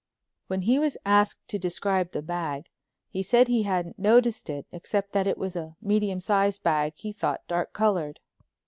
'" When he was asked to describe the bag, he said he hadn't noticed it except that it was a medium sized bag, he thought, dark colored.